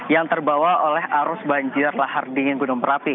yang terbawa oleh arus banjir lahar dingin gunung merapi